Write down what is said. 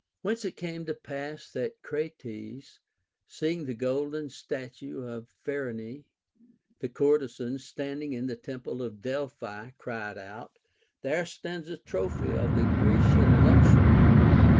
Whence it came to pass that Crates, seeing the golden statue of Phryne the courtesan standing in the temple of Delphi, cried out. There stands a trophy of the Grecian luxury.